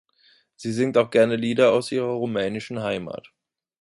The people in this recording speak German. Sie singt auch gerne Lieder aus ihrer rumänischen Heimat.